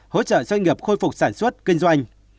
hỗ trợ doanh nghiệp khôi phục sản xuất kinh doanh